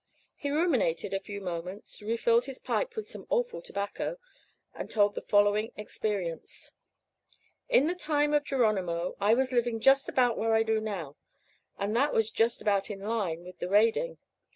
He ruminated a few moments, refilled his pipe with some awful tobacco, and told the following experience: "In the time of Geronimo I was living just about where I do now; and that was just about in line with the raiding.